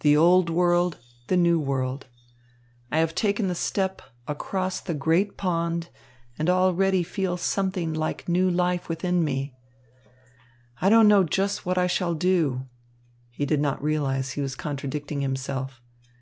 The Old World, the New World. I have taken the step across the great pond, and already feel something like new life within me. "I don't know just what I shall do." He did not realise he was contradicting himself.